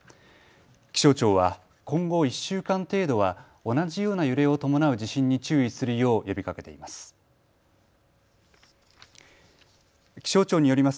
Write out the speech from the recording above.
気象庁は今後１週間程度は同じような揺れを伴う地震に注意するよう呼びかけています。